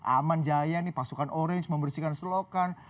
aman jaya nih pasukan orange membersihkan selokan